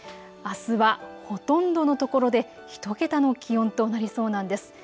あすはほとんどのところで１桁の気温となりそうなんです。